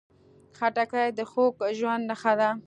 خټکی د خوږ ژوند نښه ده.